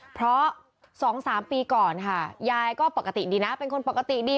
เพราะ๒๓ปีก่อนค่ะยายก็ปกติดีนะเป็นคนปกติดี